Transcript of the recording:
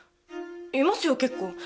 いますよ結構。